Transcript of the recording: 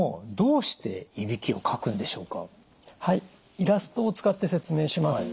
イラストを使って説明します。